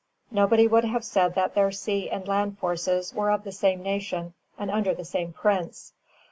Nobody would have said that their sea and land forces were of the same nation and under the same prince.